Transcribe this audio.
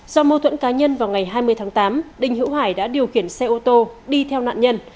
do mâu thuẫn cá nhân vào ngày hai mươi tháng tám đình hữu hải đã điều khiển xe ô tô đi theo nạn nhân